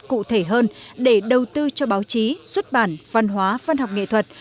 cụ thể hơn để đầu tư cho báo chí xuất bản văn hóa văn học nghệ thuật